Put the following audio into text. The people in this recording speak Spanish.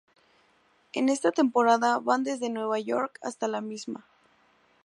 En esta temporada van desde Nueva York hasta la misma.